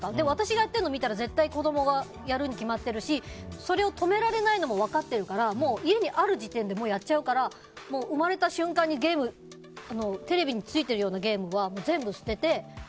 私がやってるの見たら絶対子供がやるに決まってるしそれを止められないのも分かってるからもう家にある時点でやっちゃうから、生まれた瞬間にテレビについてるようなゲームは全部捨てて。